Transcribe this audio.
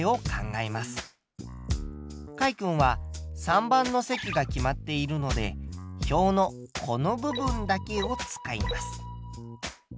かいくんは３番の席が決まっているので表のこの部分だけを使います。